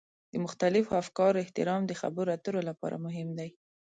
د مختلفو افکارو احترام د خبرو اترو لپاره مهم دی.